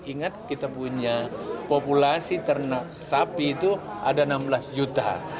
ingat kita punya populasi ternak sapi itu ada enam belas juta